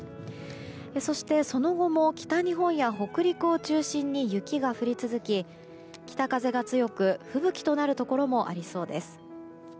そして、その後も北日本や北陸を中心に雪が降り続き北風が強く吹雪となるところもありそうです。